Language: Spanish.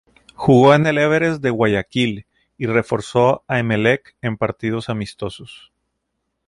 Jugó en el Everest de Guayaquil y reforzó a Emelec en partidos amistosos.